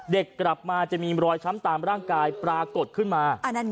กลับมาจะมีรอยช้ำตามร่างกายปรากฏขึ้นมา